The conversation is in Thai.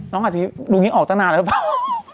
น้องสิรูปนี้ออกตั้งนานแล้วหรือเปล่า